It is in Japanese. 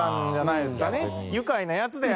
「愉快なヤツだよ